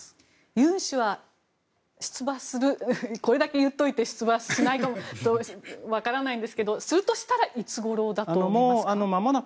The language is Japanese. ユン氏は出馬するこれだけ言っておいて出馬するかわからないんですけどするとしたらいつごろだと思いますか？